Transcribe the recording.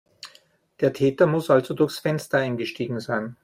Der Täter muss also durchs Fenster eingestiegen sein.